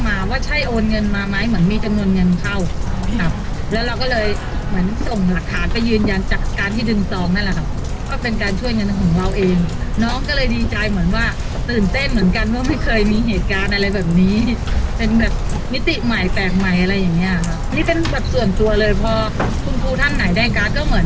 มาว่าใช่โอนเงินมาไหมเหมือนมีจำนวนเงินเข้าครับแล้วเราก็เลยเหมือนส่งหลักฐานไปยืนยันจากการที่ดึงจองนั่นแหละค่ะก็เป็นการช่วยเงินของเราเองน้องก็เลยดีใจเหมือนว่าตื่นเต้นเหมือนกันว่าไม่เคยมีเหตุการณ์อะไรแบบนี้เป็นแบบมิติใหม่แปลกใหม่อะไรอย่างเงี้ยค่ะนี่เป็นแบบส่วนตัวเลยพอคุณครูท่านไหนได้การ์ดก็เหมือน